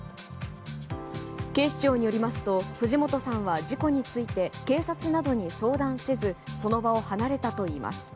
警視庁によりますと、藤本さんは事故について警察などに相談せずその場を離れたといいます。